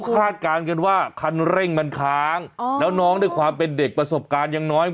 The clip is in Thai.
คาดการณ์กันว่าคันเร่งมันค้างแล้วน้องด้วยความเป็นเด็กประสบการณ์ยังน้อย